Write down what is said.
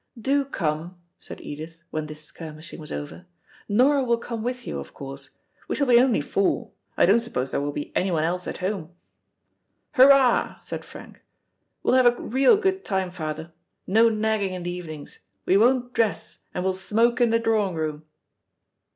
"Do come," said Edith, when this skirmishing was over. "Nora will come with you, of course. We shall be only four. I don't suppose there will be anyone else at home." "Hurrah," said Frank, "we'll have a real good time, father. No nagging in the evenings. We won't dress, and we'll smoke in the drawing room."